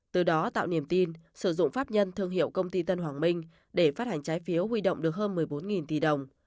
từ đó tạo niềm tin sử dụng pháp nhân thương hiệu công ty tân hoàng minh để phát hành trái phiếu huy động được hơn một mươi bốn tỷ đồng